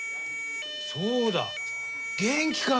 そうだ元気かい？